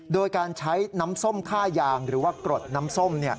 โดยการใช้น้ำส้มค่ายางหรือว่ากรดน้ำส้ม